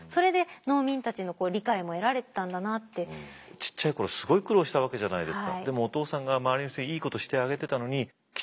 ちっちゃい頃すごい苦労したわけじゃないですか。